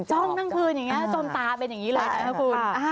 ทั้งคืนอย่างนี้จนตาเป็นอย่างนี้เลยนะครับคุณ